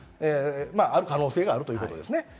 ある可能性があるということですね。